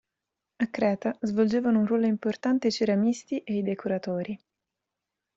A Creta svolgevano un ruolo importante i ceramisti e i decoratori.